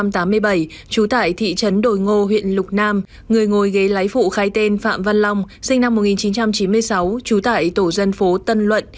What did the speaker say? trú tại thị trấn đồi ngô huyện lục nam người ngồi ghế lái phụ khai tên phạm văn long sinh năm một nghìn chín trăm chín mươi sáu trú tại tổ dân phố tân luận